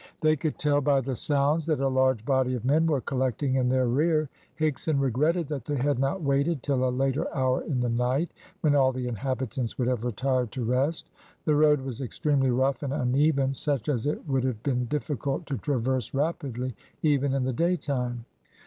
They could tell by the sounds that a large body of men were collecting in their rear. Higson regretted that they had not waited till a later hour in the night, when all the inhabitants would have retired to rest. The road was extremely rough and uneven, such as it would have been difficult to traverse rapidly even in the daytime.